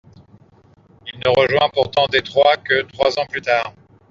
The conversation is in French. Il ne rejoint pourtant Detroit que trois ans plus tard.